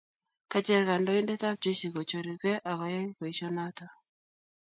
Kacheer kindoindetab jeshi kucherugei akoyai boisionoto.